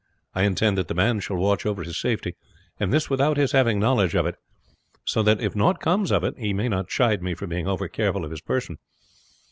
I intend that the band shall watch over his safety, and this without his having knowledge of it, so that if nought comes of it he may not chide me for being over careful of his person.